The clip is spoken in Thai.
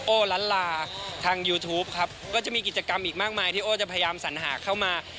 ล้านลาทางยูทูปครับก็จะมีกิจกรรมอีกมากมายที่โอ้จะพยายามสัญหาเข้ามา